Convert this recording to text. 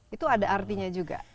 itu ada artinya juga